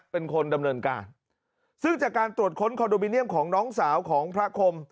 เป็นคนดำเนินกาซึ่งจากการตรวจค้นของน้องสาวของพระคม